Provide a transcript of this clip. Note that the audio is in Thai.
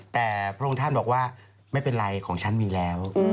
แต่พระองค์ท่านบอกว่าไม่เป็นไรของฉันมีแล้ว